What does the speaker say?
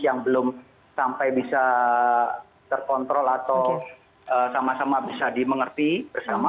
yang belum sampai bisa terkontrol atau sama sama bisa dimengerti bersama